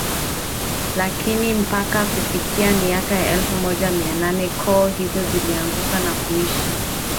Lakini mpaka kufikia miaka ya elfu moja Mia nane koo hizo ziliungana na kuishi